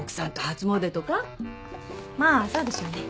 まあそうでしょうね。